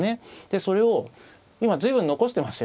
それを今随分残してますよね。